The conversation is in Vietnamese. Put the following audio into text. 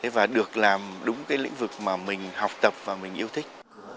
và được làm đúng cái lĩnh vực mà mình học tập và mình yêu thích